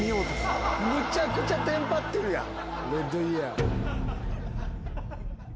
むちゃくちゃテンパってるやん。